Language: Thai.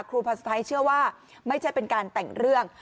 ภาษาไทยเชื่อว่าไม่ใช่เป็นการแต่งเรื่อง